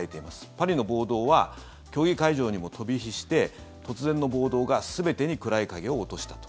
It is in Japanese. パリの暴動は競技会場にも飛び火して突然の暴動が全てに暗い影を落としたと。